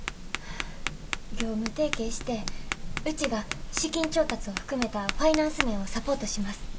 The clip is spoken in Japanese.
業務提携してうちが資金調達を含めたファイナンス面をサポートします。